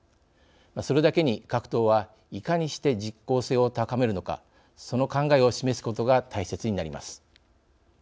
それだけに、各党はいかにして実効性を高めるのかその考えを示すことが大切になります。